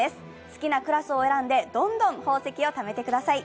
好きなクラスを選んで、どんどん宝石をためてください。